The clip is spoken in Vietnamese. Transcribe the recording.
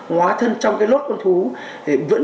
hóa thân trong cái lốt con thú vẫn